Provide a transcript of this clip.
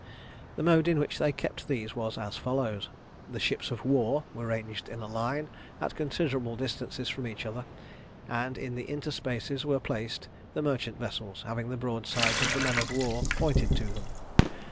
The mode in which they kept these was as follows: The ships of war were ranged in a line, at considerable distances from each other, and in the interspaces were placed the merchant vessels, having the broadsides of the men of war pointed to them.